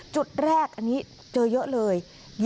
จุดแรกอันนี้เจอเยอะเลย